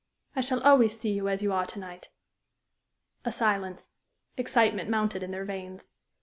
I shall always see you as you are to night." A silence. Excitement mounted in their veins.